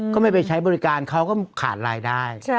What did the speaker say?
ไม่ไปใช้บริการเขาก็ขาดรายได้